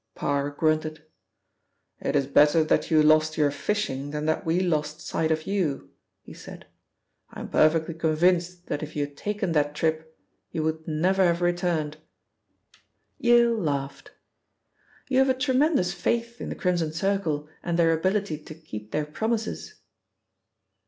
Parr grunted. "It is better that you lost your fishing than that we lost sight of you," he said. "I am perfectly convinced that if you had taken that trip, you would never have returned." Yale laughed. "You have a tremendous faith in the Crimson Circle, and their ability to keep their promises."